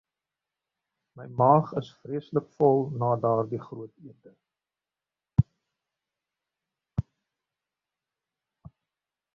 My maag is vreeslik vol na daardie groot ete.